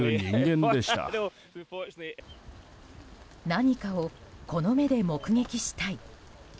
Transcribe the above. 何かをこの目で目撃したい。